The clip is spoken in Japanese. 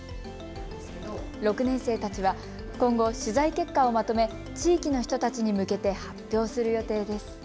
６年生たちは今後、取材結果をまとめ、地域の人たちに向けて発表する予定です。